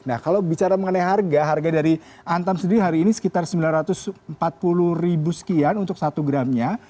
nah kalau bicara mengenai harga harga dari antam sendiri hari ini sekitar sembilan ratus empat puluh ribu sekian untuk satu gramnya